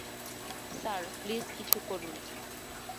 Sir, please কিছু করুন।